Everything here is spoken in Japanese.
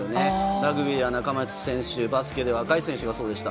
ラグビーやバスケの若い選手がそうでした。